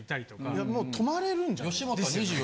いやもう泊まれるんじゃない。